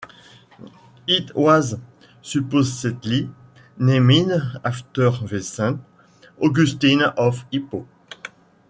It was supposedly named after the Saint, Augustine of Hippo.